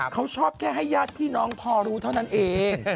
เขาชอบแค่ให้ญาติพี่น้องพอรู้เท่านั้นเอง